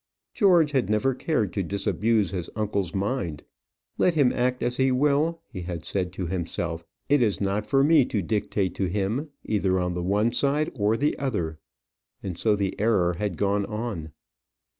George had never cared to disabuse his uncle's mind. Let him act as he will, he had said to himself, it is not for me to dictate to him, either on the one side or the other. And so the error had gone on.